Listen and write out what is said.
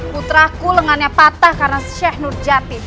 putraku lengannya patah karena sheikh nurjati